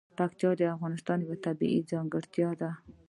پکتیکا د افغانستان یوه طبیعي ځانګړتیا ده.